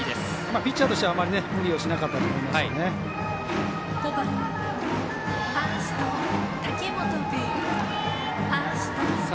ピッチャーとしては無理をしなかったと思いますね。